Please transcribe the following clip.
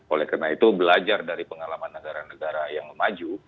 oleh karena itu belajar dari pengalaman negara negara yang maju